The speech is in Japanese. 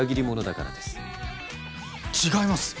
違います！